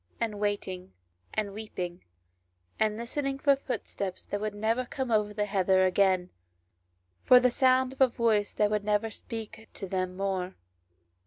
[STORY and waiting, and weeping, and listening for a footstep that would never conie over the heather again, for the sound of a voice that never would speak to them more.